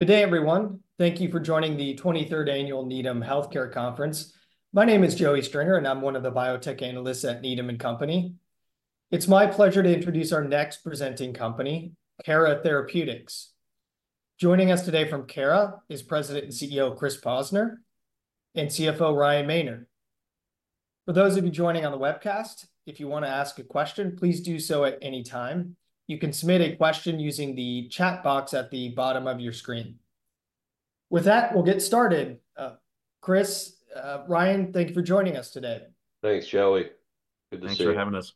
Good day, everyone. Thank you for joining the 23rd annual Needham Healthcare Conference. My name is Joey Stringer, and I'm one of the biotech analysts at Needham & Company. It's my pleasure to introduce our next presenting company, Cara Therapeutics. Joining us today from Cara is President and CEO Chris Posner and CFO Ryan Maynard. For those of you joining on the webcast, if you want to ask a question, please do so at any time. You can submit a question using the chat box at the bottom of your screen. With that, we'll get started. Chris, Ryan, thank you for joining us today. Thanks, Joey. Good to see you. Thanks for having us.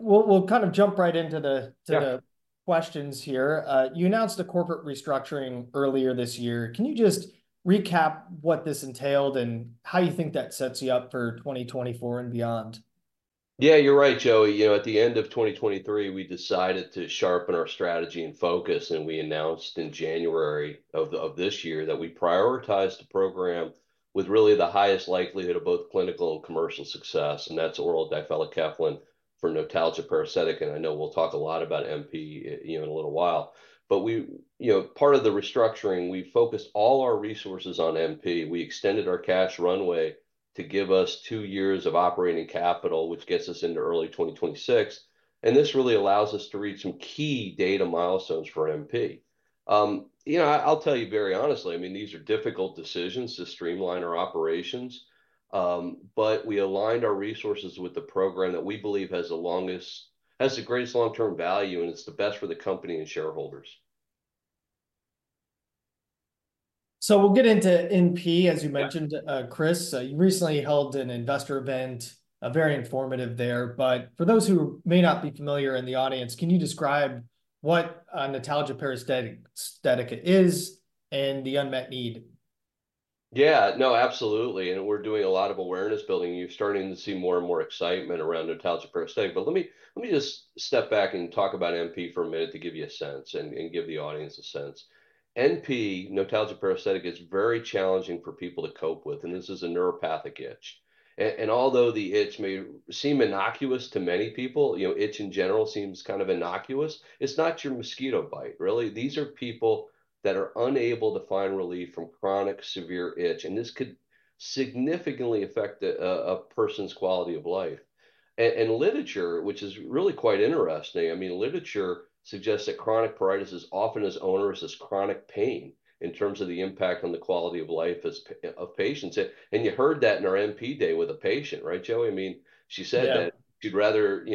We'll kind of jump right into the questions here. You announced a corporate restructuring earlier this year. Can you just recap what this entailed and how you think that sets you up for 2024 and beyond? Yeah, you're right, Joey. At the end of 2023, we decided to sharpen our strategy and focus, and we announced in January of this year that we prioritized a program with really the highest likelihood of both clinical and commercial success, and that's oral difelikefalin for notalgia paresthetica. And I know we'll talk a lot about NP in a little while. But part of the restructuring, we focused all our resources on NP. We extended our cash runway to give us two years of operating capital, which gets us into early 2026. And this really allows us to reach some key data milestones for NP. I'll tell you very honestly, I mean, these are difficult decisions to streamline our operations, but we aligned our resources with the program that we believe has the greatest long-term value, and it's the best for the company and shareholders. So we'll get into NP, as you mentioned, Chris. You recently held an investor event, very informative there. But for those who may not be familiar in the audience, can you describe what notalgia paresthetica is and the unmet need? Yeah, no, absolutely. And we're doing a lot of awareness building. You're starting to see more and more excitement around notalgia paresthetica. But let me just step back and talk about NP for a minute to give you a sense and give the audience a sense. NP, notalgia paresthetica, is very challenging for people to cope with, and this is a neuropathic itch. And although the itch may seem innocuous to many people, itch in general seems kind of innocuous. It's not your mosquito bite, really. These are people that are unable to find relief from chronic, severe itch, and this could significantly affect a person's quality of life. And literature, which is really quite interesting, I mean, literature suggests that chronic pruritus is often as onerous as chronic pain in terms of the impact on the quality of life of patients. You heard that in our NP Day with a patient, right, Joey? I mean, she said that she'd rather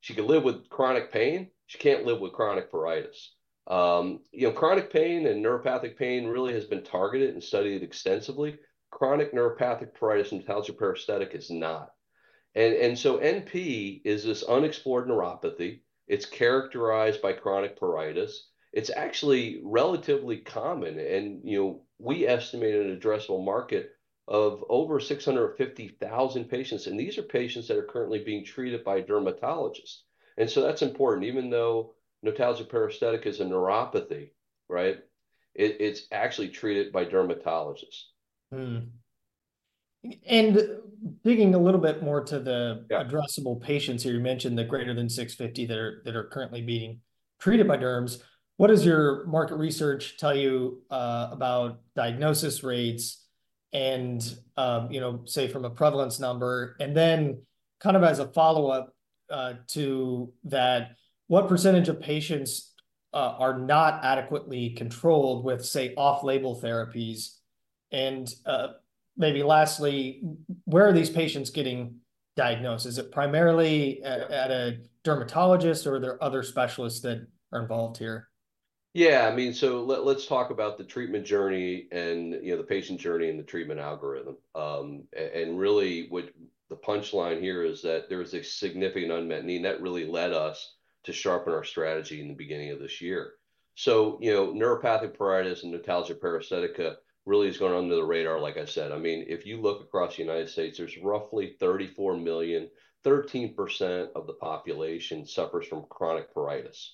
she could live with chronic pain. She can't live with chronic pruritus. Chronic pain and neuropathic pain really has been targeted and studied extensively. Chronic neuropathic pruritus and notalgia paresthetica is not. And so NP is this unexplored neuropathy. It's characterized by chronic pruritus. It's actually relatively common. And we estimate an addressable market of over 650,000 patients. And these are patients that are currently being treated by dermatologists. And so that's important. Even though notalgia paresthetica is a neuropathy, right, it's actually treated by dermatologists. Digging a little bit more to the addressable patients here, you mentioned the greater than 650 that are currently being treated by derms. What does your market research tell you about diagnosis rates and, say, from a prevalence number? And then kind of as a follow-up to that, what percentage of patients are not adequately controlled with, say, off-label therapies? And maybe lastly, where are these patients getting diagnosed? Is it primarily at a dermatologist, or are there other specialists that are involved here? Yeah, I mean, so let's talk about the treatment journey and the patient journey and the treatment algorithm. And really, the punchline here is that there was a significant unmet need that really led us to sharpen our strategy in the beginning of this year. So neuropathic pruritus and notalgia paresthetica really has gone under the radar, like I said. I mean, if you look across the United States, there's roughly 34 million, 13% of the population suffers from chronic pruritus.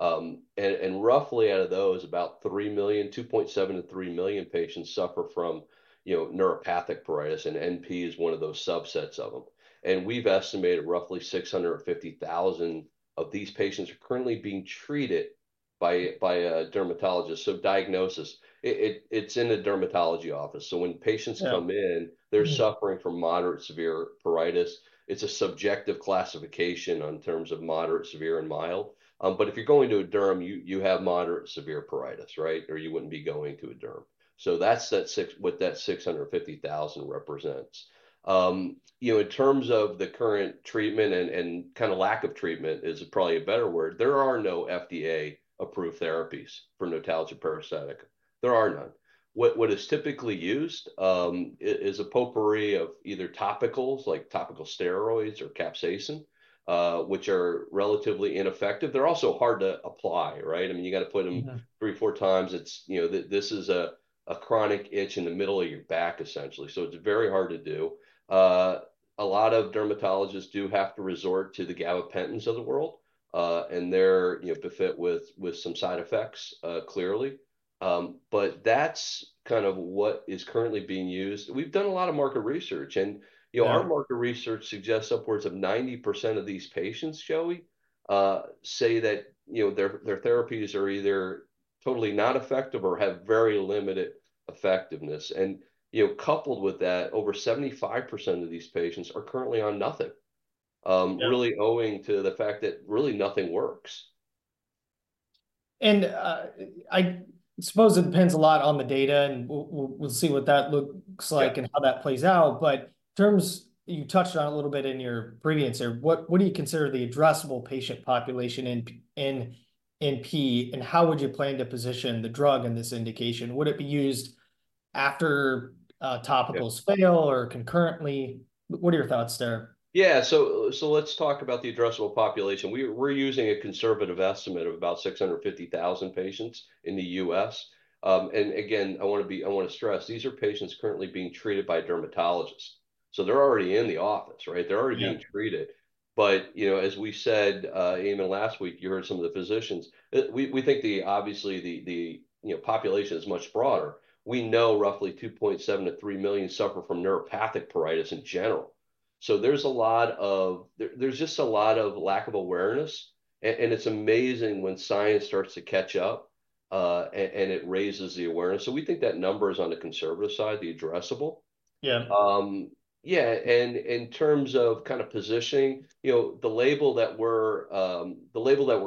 And roughly out of those, about 3 million, 2.7-3 million patients suffer from neuropathic pruritus, and NP is one of those subsets of them. And we've estimated roughly 650,000 of these patients are currently being treated by a dermatologist. So diagnosis, it's in the dermatology office. So when patients come in, they're suffering from moderate-severe pruritus. It's a subjective classification in terms of moderate, severe, and mild. But if you're going to a derm, you have moderate-severe pruritus, right, or you wouldn't be going to a derm. So that's what that 650,000 represents. In terms of the current treatment and kind of lack of treatment is probably a better word. There are no FDA-approved therapies for notalgia paresthetica. There are none. What is typically used is a potpourri of either topicals like topical steroids or capsaicin, which are relatively ineffective. They're also hard to apply, right? I mean, you got to put them 3-4 times. This is a chronic itch in the middle of your back, essentially. So it's very hard to do. A lot of dermatologists do have to resort to the gabapentins of the world, and they're beset with some side effects, clearly. But that's kind of what is currently being used. We've done a lot of market research, and our market research suggests upwards of 90% of these patients, Joey, say that their therapies are either totally not effective or have very limited effectiveness. Coupled with that, over 75% of these patients are currently on nothing, really owing to the fact that really nothing works. And I suppose it depends a lot on the data, and we'll see what that looks like and how that plays out. But in terms you touched on a little bit in your previous there, what do you consider the addressable patient population in NP, and how would you plan to position the drug in this indication? Would it be used after topicals fail or concurrently? What are your thoughts there? Yeah, so let's talk about the addressable population. We're using a conservative estimate of about 650,000 patients in the U.S. And again, I want to stress, these are patients currently being treated by dermatologists. So they're already in the office, right? They're already being treated. But as we said, again, last week, you heard some of the physicians. We think, obviously, the population is much broader. We know roughly 2.7-3 million suffer from neuropathic pruritus in general. So there's just a lot of lack of awareness. And it's amazing when science starts to catch up, and it raises the awareness. So we think that number is on the conservative side, the addressable. Yeah. And in terms of kind of positioning, the label that we're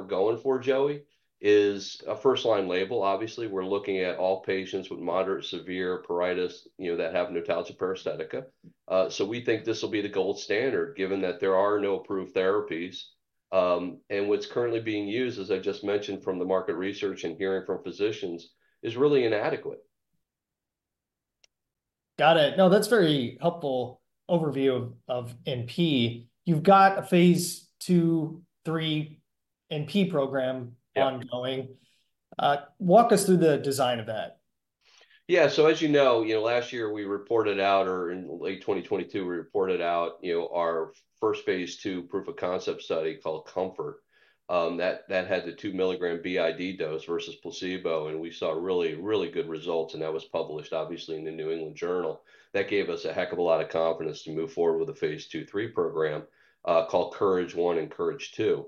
going for, Joey, is a first-line label. Obviously, we're looking at all patients with moderate-to-severe pruritus that have notalgia paresthetica. So we think this will be the gold standard, given that there are no approved therapies. And what's currently being used, as I just mentioned from the market research and hearing from physicians, is really inadequate. Got it. No, that's a very helpful overview of NP. You've got a phase 2/3 NP program ongoing. Walk us through the design of that. Yeah. So as you know, last year we reported out, or in late 2022, we reported out our first phase 2 proof-of-concept study called KOMFORT. That had the 2 mg BID dose versus placebo, and we saw really, really good results. And that was published, obviously, in the New England Journal. That gave us a heck of a lot of confidence to move forward with a phase 2/3 program called KOURAGE 1 and KOURAGE 2.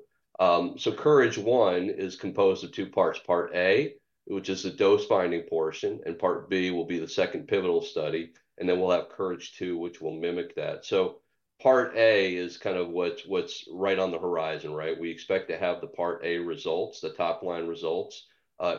So KOURAGE 1 is composed of two parts. Part A, which is the dose-finding portion, and Part B will be the second pivotal study. And then we'll have KOURAGE 1, which will mimic that. So Part A is kind of what's right on the horizon, right? We expect to have the Part A results, the top-line results,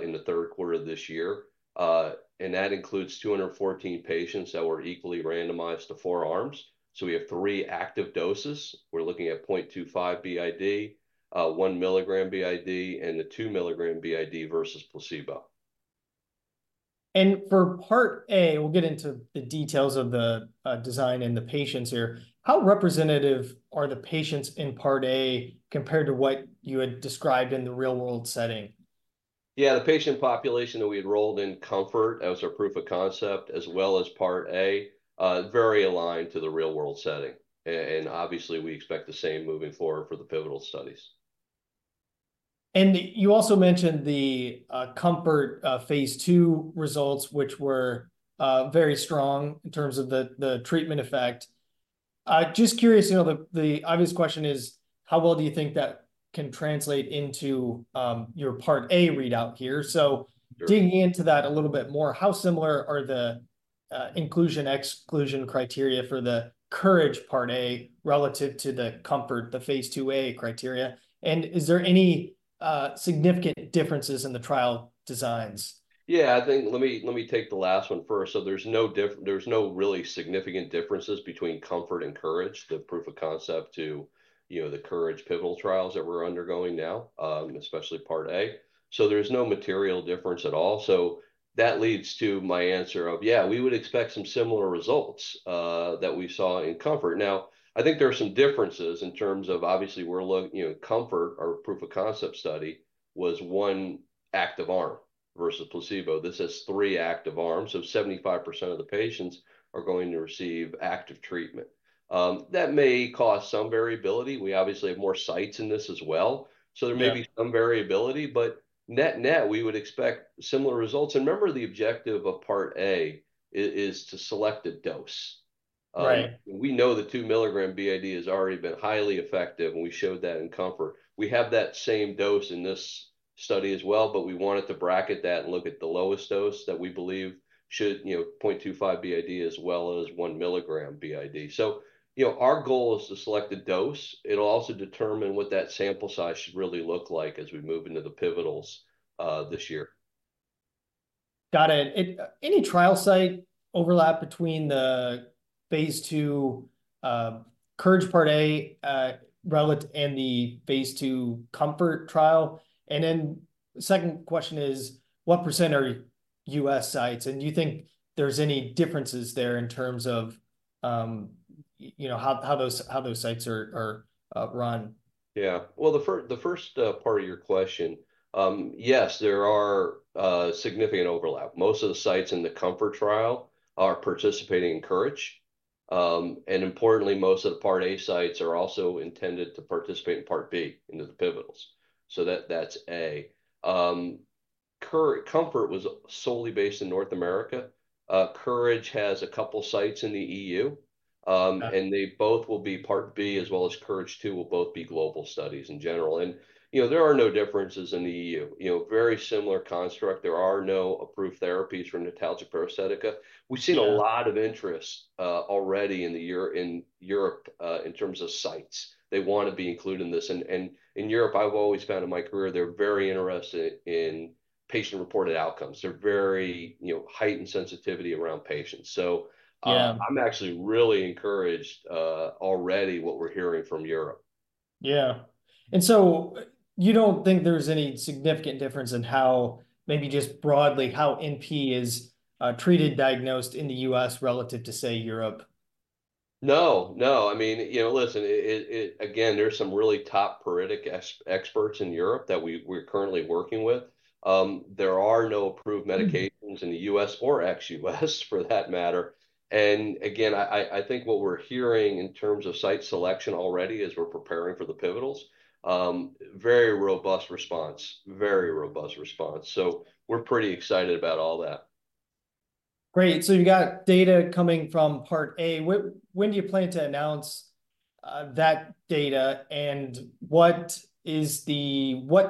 in the third quarter of this year. That includes 214 patients that were equally randomized to four arms. We have three active doses. We're looking at 0.25 BID, one milligram BID, and the two milligram BID versus placebo. For Part A, we'll get into the details of the design and the patients here. How representative are the patients in Part A compared to what you had described in the real-world setting? Yeah, the patient population that we enrolled in KOMFORT as our proof of concept, as well as Part A, very aligned to the real-world setting. And obviously, we expect the same moving forward for the pivotal studies. You also mentioned the COMFORT phase 2 results, which were very strong in terms of the treatment effect. Just curious, the obvious question is, how well do you think that can translate into your Part A readout here? Digging into that a little bit more, how similar are the inclusion/exclusion criteria for the COURAGE Part A relative to the COMFORT, the phase 2A criteria? Is there any significant differences in the trial designs? Yeah, I think let me take the last one first. So there's no really significant differences between COMFORT and COURAGE, the proof of concept, to the COURAGE pivotal trials that we're undergoing now, especially Part A. So that leads to my answer of, yeah, we would expect some similar results that we saw in COMFORT. Now, I think there are some differences in terms of, obviously, we're looking COMFORT, our proof of concept study, was one active arm versus placebo. This has three active arms. So 75% of the patients are going to receive active treatment. That may cause some variability. We obviously have more sites in this as well. So there may some variability, but net-net, we would expect similar results. And remember, the objective of Part A is to select a dose. We know the 2 mg BID has already been highly effective, and we showed that in COMFORT. We have that same dose in this study as well, but we wanted to bracket that and look at the lowest dose that we believe should be 0.25 mg BID as well as 1 mg BID. So our goal is to select a dose. It'll also determine what that sample size should really look like as we move into the pivotals this year. Got it. Any trial site overlap between the phase 2 COURAGE Part A relative and the phase 2 COMFORT trial? And then second question is, what % are U.S. sites? And do you think there's any differences there in terms of how those sites are run? Yeah. Well, the first part of your question, yes, there are significant overlap. Most of the sites in the COMFORT trial are participating in COURAGE. And importantly, most of the Part A sites are also intended to participate in Part B into the pivotals. So that's A. COMFORT was solely based in North America. COURAGE has a couple of sites in the EU, and they both will be Part B, as well as COURAGE 2 will both be global studies in general. And there are no differences in the EU. Very similar construct. There are no approved therapies for notalgia paresthetica. We've seen a lot of interest already in Europe in terms of sites. They want to be included in this. And in Europe, I've always found in my career, they're very interested in patient-reported outcomes. They're very heightened sensitivity around patients. So I'm actually really encouraged already what we're hearing from Europe. Yeah. And so you don't think there's any significant difference in how maybe just broadly, how NP is treated, diagnosed in the U.S. relative to, say, Europe? No, no. I mean, listen, again, there's some really top pruritic experts in Europe that we're currently working with. There are no approved medications in the U.S. or ex-U.S., for that matter. And again, I think what we're hearing in terms of site selection already as we're preparing for the pivotals, very robust response, very robust response. So we're pretty excited about all that. Great. So you've got data coming from Part A. When do you plan to announce that data? What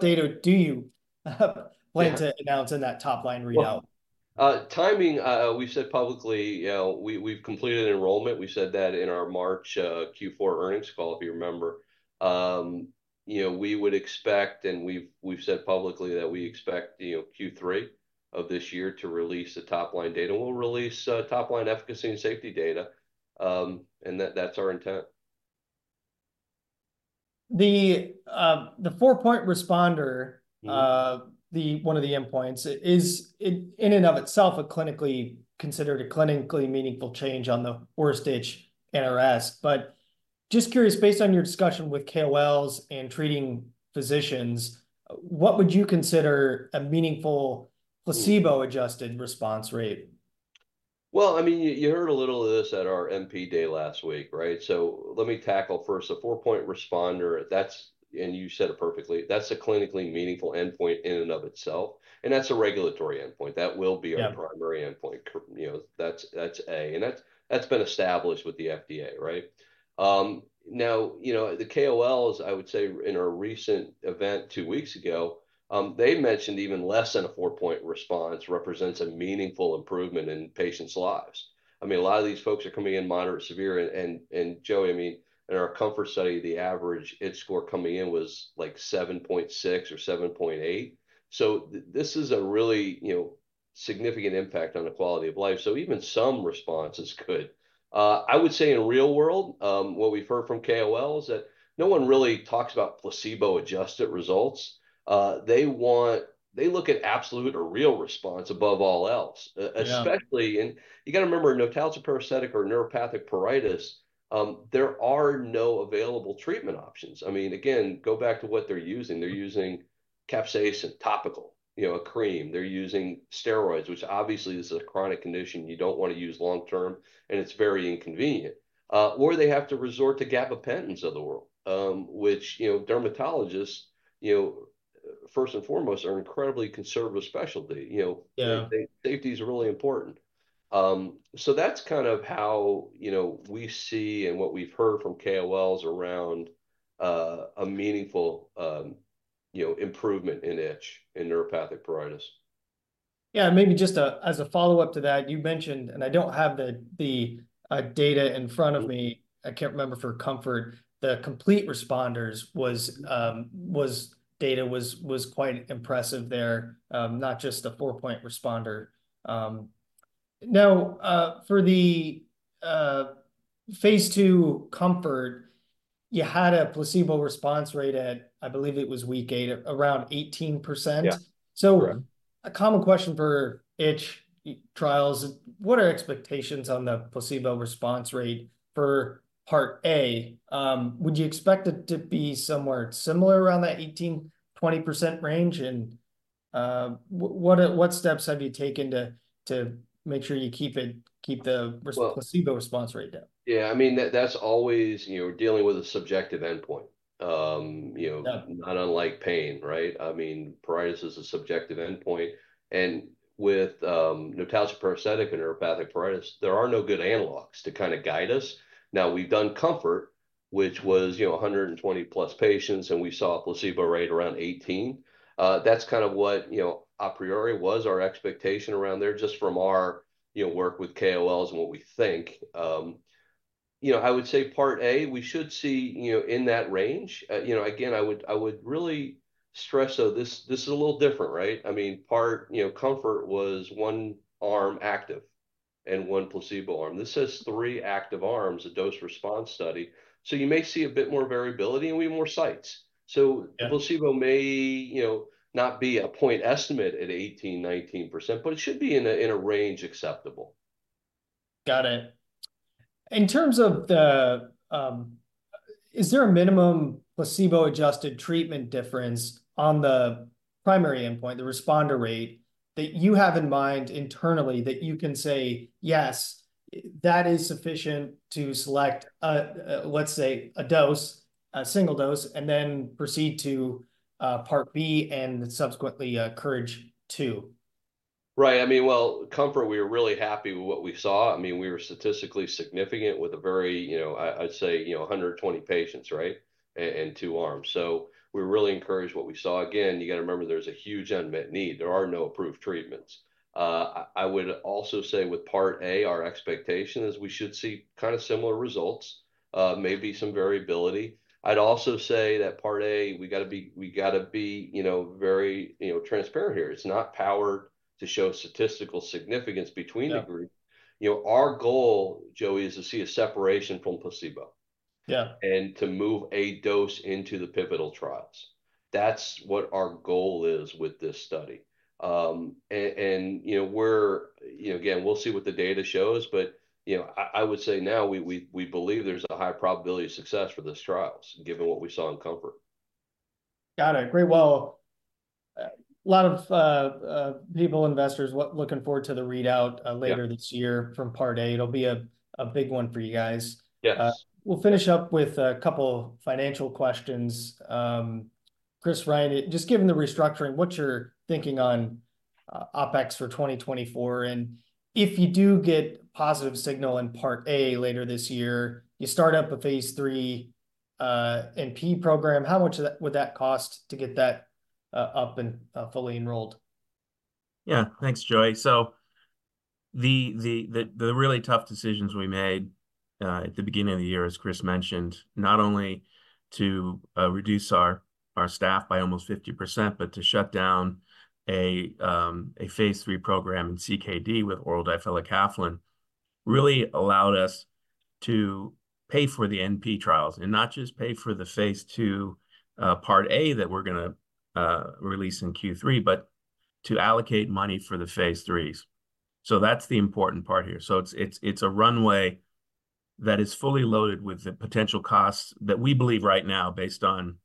data do you plan to announce in that top-line readout? Timing, we've said publicly, we've completed enrollment. We said that in our March Q4 earnings call, if you remember. We would expect, and we've said publicly that we expect Q3 of this year to release the top-line data. We'll release top-line efficacy and safety data, and that's our intent. The four-point responder, one of the endpoints, is in and of itself considered a clinically meaningful change on the Worst-Itch NRS. But just curious, based on your discussion with KOLs and treating physicians, what would you consider a meaningful placebo-adjusted response rate? Well, I mean, you heard a little of this at our MP Day last week, right? So let me tackle first. A four-point responder, and you said it perfectly, that's a clinically meaningful endpoint in and of itself. That's a regulatory endpoint. That will be our primary endpoint. That's A. That's been established with the FDA, right? Now, the KOLs, I would say, in our recent event 2 weeks ago, they mentioned even less than a four-point response represents a meaningful improvement in patients' lives. I mean, a lot of these folks are coming in moderate-severe. Joey, I mean, in our COMFORT study, the average itch score coming in was like 7.6 or 7.8. This is a really significant impact on the quality of life. Even some responses could. I would say in the real world, what we've heard from KOLs is that no one really talks about placebo-adjusted results. They look at absolute or real response above all else, especially in—you got to remember—notalgia paresthetica or neuropathic pruritus, there are no available treatment options. I mean, again, go back to what they're using. They're using capsaicin, topical, a cream. They're using steroids, which obviously is a chronic condition you don't want to use long-term, and it's very inconvenient. Or they have to resort to gabapentins of the world, which dermatologists, first and foremost, are an incredibly conservative specialty. Safety is really important. So that's kind of how we see and what we've heard from KOLs around a meaningful improvement in itch in neuropathic pruritus. Yeah. Maybe just as a follow-up to that, you mentioned, and I don't have the data in front of me. I can't remember for COMFORT, the complete responders' data was quite impressive there, not just the four-point responder. Now, for the Phase 2 COMFORT, you had a placebo response rate at, I believe it was week 8, around 18%. A common question for itch trials: what are expectations on the placebo response rate for Part A? Would you expect it to be somewhere similar around that 18%-20% range? And what steps have you taken to make sure you keep the placebo response rate down? Yeah. I mean, that's always dealing with a subjective endpoint, not unlike pain, right? I mean, pruritus is a subjective endpoint. With notalgia paresthetica and neuropathic pruritus, there are no good analogs to kind of guide us. Now, we've done COMFORT, which was 120+ patients, and we saw a placebo rate around 18%. That's kind of what a priori was, our expectation around there, just from our work with KOLs and what we think. I would say Part A, we should see in that range. Again, I would really stress, though, this is a little different, right? I mean, the COMFORT was one arm active and one placebo arm. This has three active arms, a dose-response study. So you may see a bit more variability and we have more sites. Placebo may not be a point estimate at 18%-19%, but it should be in a range acceptable. Got it. In terms of, is there a minimum placebo-adjusted treatment difference on the primary endpoint, the responder rate, that you have in mind internally that you can say, "Yes, that is sufficient to select, let's say, a dose, a single dose, and then proceed to Part B and subsequently COURAGE 2"? Right. I mean, well, COMFORT, we were really happy with what we saw. I mean, we were statistically significant with a very, I'd say, 120 patients, right, and two arms. So we really encouraging what we saw. Again, you got to remember there's a huge unmet need. There are no approved treatments. I would also say with Part A, our expectation is we should see kind of similar results, maybe some variability. I'd also say that Part A, we got to be very transparent here. It's not powered to show statistical significance between the groups. Our goal, Joey, is to see a separation from placebo and to move a dose into the pivotal trials. That's what our goal is with this study. And again, we'll see what the data shows. I would say now we believe there's a high probability of success for these trials, given what we saw in Comfort. Got it. Great. Well, a lot of people, investors, looking forward to the readout later this year from Part A. It'll be a big one for you guys. We'll finish up with a couple of financial questions. Chris, Ryan, just given the restructuring, what's your thinking on OpEx for 2024? And if you do get a positive signal in Part A later this year, you start up a phase three NP program, how much would that cost to get that up and fully enrolled? Yeah. Thanks, Joey. So the really tough decisions we made at the beginning of the year, as Chris mentioned, not only to reduce our staff by almost 50%, but to shut down a phase 3 program in CKD with oral difelikefalin, really allowed us to pay for the NP trials and not just pay for the phase 2 Part A that we're going to release in Q3, but to allocate money for the phase 3s. So that's the important part here. So it's a runway that is fully loaded with the potential costs that we believe right now, based on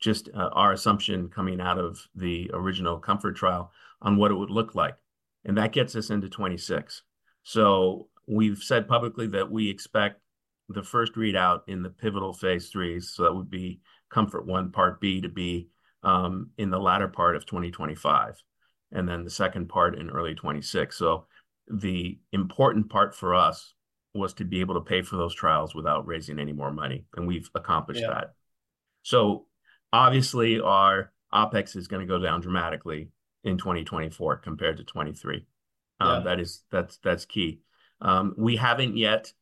just our assumption coming out of the original COMFORT trial on what it would look like. That gets us into 2026. So we've said publicly that we expect the first readout in the pivotal phase 3s. So that would be COMFORT 1, Part B, to be in the latter part of 2025, and then the second part in early 2026. So the important part for us was to be able to pay for those trials without raising any more money. And we've accomplished that. So obviously, our OpEx is going to go down dramatically in 2024 compared to 2023. That's key. We haven't yet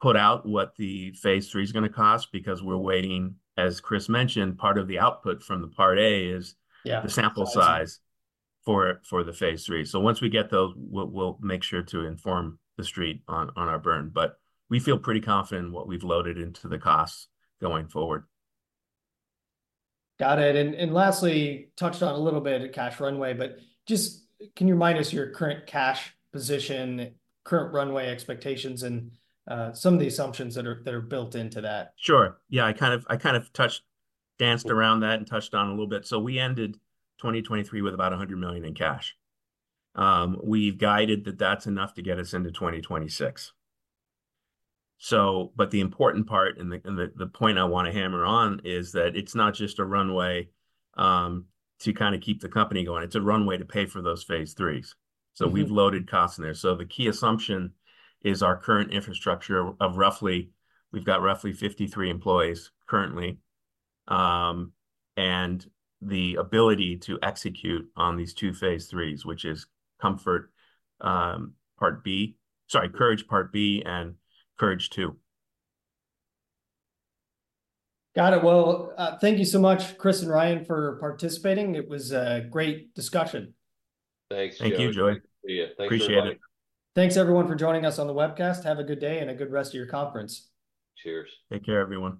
put out what the phase 3 is going to cost because we're waiting, as Chris mentioned, part of the output from the Part A is the sample size for the phase 3. So once we get those, we'll make sure to inform the street on our burn. But we feel pretty confident in what we've loaded into the costs going forward. Got it. And lastly, touched on a little bit of cash runway, but just can you remind us your current cash position, current runway expectations, and some of the assumptions that are built into that? Sure. Yeah. I kind of touched, danced around that, and touched on a little bit. So we ended 2023 with about $100 million in cash. We've guided that that's enough to get us into 2026. But the important part and the point I want to hammer on is that it's not just a runway to kind of keep the company going. It's a runway to pay for those phase 3s. So we've loaded costs in there. So the key assumption is our current infrastructure of roughly we've got roughly 53 employees currently and the ability to execute on these 2 phase 3s, which is COMFORT Part B sorry, COURAGE Part B and COURAGE 2. Got it. Well, thank you so much, Chris and Ryan, for participating. It was a great discussion. Thanks, Joey. Thank you, Joey. See you. Thanks for watching. Appreciate it. Thanks, everyone, for joining us on the webcast. Have a good day and a good rest of your conference. Cheers. Take care, everyone.